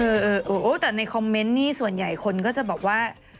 เออแต่ในคอมเมนต์นี่ส่วนใหญ่คนก็จะบอกว่า